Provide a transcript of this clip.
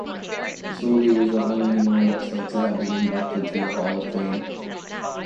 Solie was the only non-wrestler to have been inducted into the Hall of Fame.